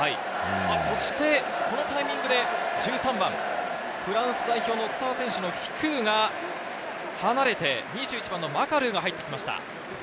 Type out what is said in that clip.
そしてこのタイミングで１３番フランス代表のスター選手、フィクーが離れて、２１番のマカルーが入ってきました。